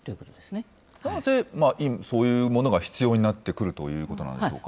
なぜそういうものが必要になってくるということなんでしょうか。